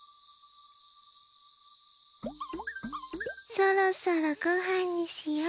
そろそろごはんにしよう。